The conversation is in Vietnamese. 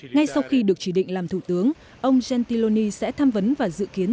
ngay sau khi được chỉ định làm thủ tướng ông jentiloni sẽ tham vấn và dự kiến